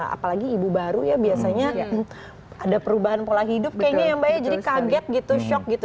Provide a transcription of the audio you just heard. apalagi ibu baru ya biasanya ada perubahan pola hidup kayaknya ya mbak ya jadi kaget gitu shock gitu